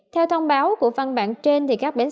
theo thông báo của văn bản trên